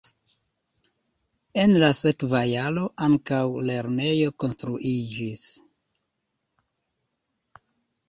En la sekva jaro ankaŭ lernejo konstruiĝis.